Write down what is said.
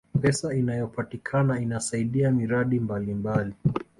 pesa inayopatikana inasaidia miradi mbalimbali